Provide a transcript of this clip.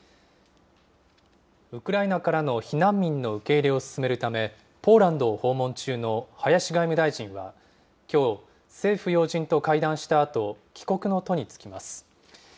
ウクライナからの避難民の受け入れを進めるため、ポーランドを訪問中の林外務大臣は、きょう、政府要人と会談したあと、帰国の途に就きます。